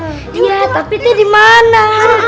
iya tapi itu di mana